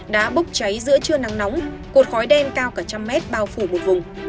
đã bốc cháy giữa trưa nắng nóng cột khói đen cao cả trăm mét bao phủ một vùng